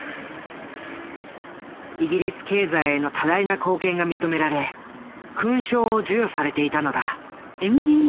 イギリス経済への多大な貢献が認められ勲章を授与されていたのだ。